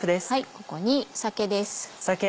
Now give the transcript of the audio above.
ここに酒です。